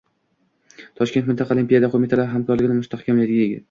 Toshkent mintaqa olimpiya qo‘mitalari hamkorligini mustahkamlayding